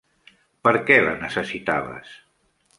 Per què la necessitaves?